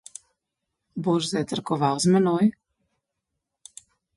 Boš zajtrkoval z menoj?